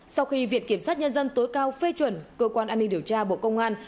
sau khi viện kiểm sát nhân dân tối cao phê chuẩn cơ quan an ninh điều tra bộ công an